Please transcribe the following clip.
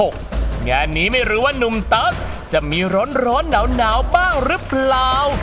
งานนี้ไม่รู้ว่านุ่มตัสจะมีร้อนหนาวบ้างหรือเปล่า